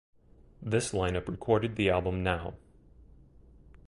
This lineup recorded the album "Now".